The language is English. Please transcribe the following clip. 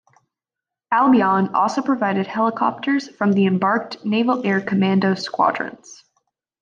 "Albion" also provided helicopters from the embarked Naval Air Commando squadrons.